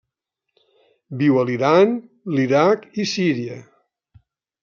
Viu a l'Iran, l'Iraq i Síria.